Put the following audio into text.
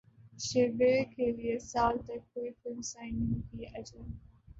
شیوے کیلئے سال تک کوئی فلم سائن نہیں کی اجے